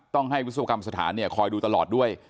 ต้องให้วิศวกรรมสถานคอยดูตลอดด้วย